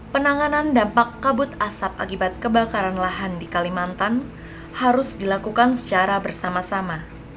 penanganan dampak kabut asap akibat kebakaran lahan di kalimantan harus dilakukan secara bersama sama